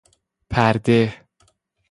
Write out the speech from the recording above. پرده